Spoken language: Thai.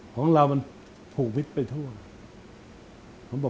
ของเรามันถูกวิทย์ไปทั่ว